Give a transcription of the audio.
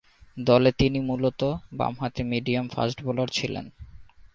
দলে তিনি মূলতঃ বামহাতি মিডিয়াম ফাস্ট বোলার ছিলেন।